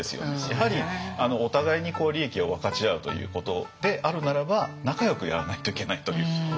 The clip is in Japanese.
やはりお互いに利益を分かち合うということであるならば仲よくやらないといけないという。